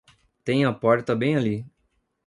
Tem a porta bem ali.